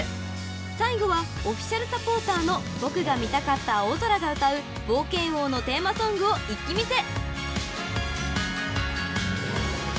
［最後はオフィシャルサポーターの僕が見たかった青空が歌う冒険王のテーマソングを一気見せ］